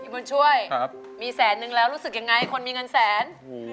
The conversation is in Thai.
บุญช่วยมีแสนนึงแล้วรู้สึกยังไงคนมีเงินแสน